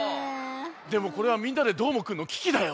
でもこれは「みんなＤＥどーもくん！」のききだよ。